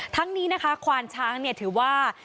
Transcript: ทั้งนี้นะคะควานช้างถือว่า